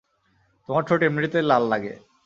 তোমার ঠোঁট এমনিতেই লাল লাগে।